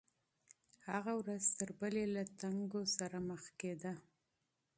هغه ورځ تر بلې له تنګو سره مخ کېده.